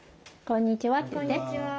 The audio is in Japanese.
こんにちは。